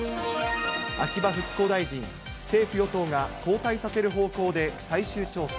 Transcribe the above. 秋葉復興大臣、政府・与党が交代させる方向で最終調整。